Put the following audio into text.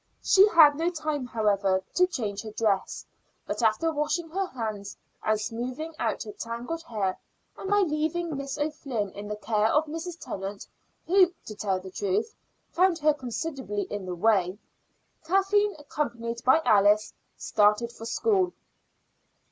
She had no time, however, to change her dress, but after washing her hands and smoothing out her tangled hair, and leaving Miss O'Flynn in the care of Mrs. Tennant who, to tell the truth, found her considerably in the way Kathleen, accompanied by Alice, started for school.